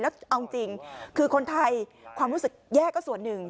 แล้วเอาจริงคือคนไทยความรู้สึกแย่ก็ส่วนหนึ่ง